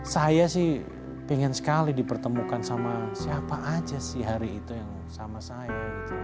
saya sih pengen sekali dipertemukan sama siapa aja sih hari itu yang sama saya